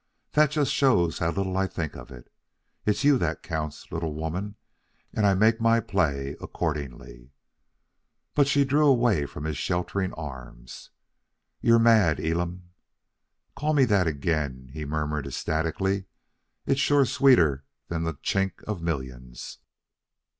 That just shows how little I think of it. It's you that counts, little woman, and I make my play accordingly." But she drew away from his sheltering arms. "You are mad, Elam." "Call me that again," he murmured ecstatically. "It's sure sweeter than the chink of millions."